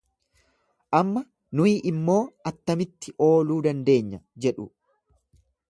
Amma nuyi immoo attamitti ooluu dandeenya? jedhu.